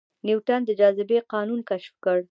نیوټن د جاذبې قانون کشف کړ